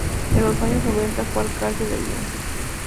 En los años noventa fue alcalde de Lyon.